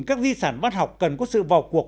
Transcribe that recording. các di sản văn học cần có sự vào cuộc